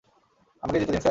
আমাকে যেতে দিন, স্যার।